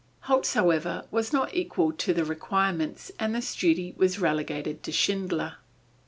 Holz, however, was not equal to the requirements, and this duty was relegated to Schindler.